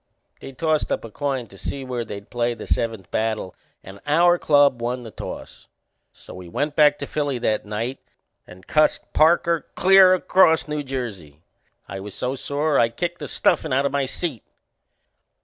They tossed up a coin to see where they'd play the seventh battle and our club won the toss; so we went back to Philly that night and cussed Parker clear across New Jersey. I was so sore I kicked the stuffin' out o' my seat.